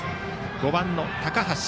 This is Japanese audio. ５番の高橋。